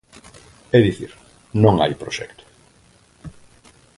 É dicir, non hai proxecto.